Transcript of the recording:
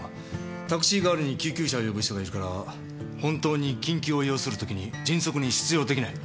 タクシー代わりに救急車を呼ぶ人がいるから本当に緊急を要する時に迅速に出場出来ない。